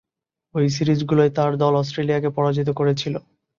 ঐ সিরিজগুলোয় তার দল অস্ট্রেলিয়াকে পরাজিত করেছিল।